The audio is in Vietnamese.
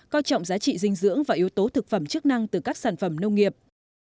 coi trọng giá trị dinh dưỡng và yếu tố thực phẩm chức năng từ các sản phẩm nông nghiệp